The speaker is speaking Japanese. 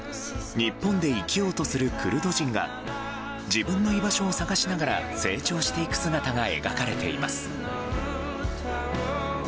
日本で生きようとするクルド人が自分の居場所を探しながら成長していく姿が描かれています。